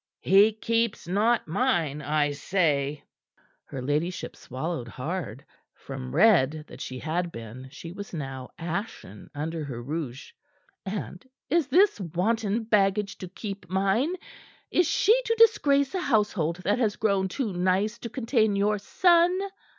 He keeps not mine, I say!" Her ladyship swallowed hard. From red that she had been, she was now ashen under her rouge. "And, is this wanton baggage to keep mine? Is she to disgrace a household that has grown too nice to contain your son?"